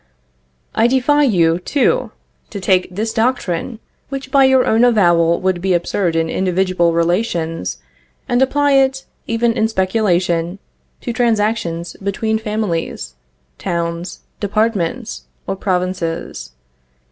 I defy you too, to take this doctrine, which by your own avowal would be absurd in individual relations, and apply it, even in speculation, to transactions between families, towns, departments, or provinces.